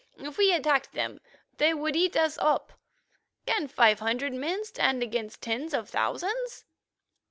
If we attacked, they would eat us up. Can five hundred men stand against tens of thousands?"